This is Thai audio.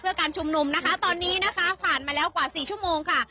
เพื่อการชุมนุมนะคะตอนนี้นะคะผ่านมาแล้วกว่าสี่ชั่วโมงค่ะ